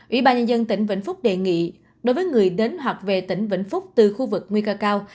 ủy ban nhân dân tỉnh vĩnh phúc đề nghị đối với người đến hoặc về tỉnh vĩnh phúc từ khu vực nguy cơ cao